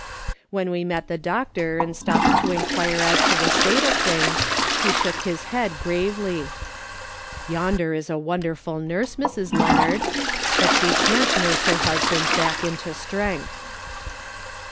When we met the doctor and stopped to inquire as to the state of things, he shook his head gravely. " Yonder is a wonderful nurse, Mrs. Leonard, but she can't nurse her husband back into strength."